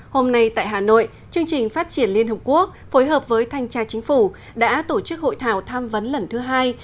hôm nay tại hà nội chương trình phát triển liên hợp quốc phối hợp với thanh tra chính phủ đã tổ chức hội thảo tham vấn lần thứ hai